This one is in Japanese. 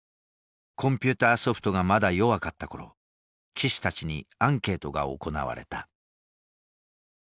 コンピューターソフトがまだ弱かった頃棋士たちにアンケートが行われた。